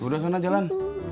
udah sana jalan